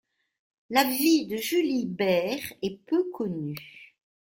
La vie de Julie Behr est peu connue.